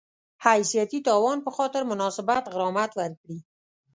حیثیتي تاوان په خاطر مناسب غرامت ورکړي